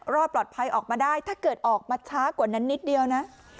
รอดปลอดภัยออกมาได้ถ้าเกิดออกมาช้ากว่านั้นนิดเดียวนะ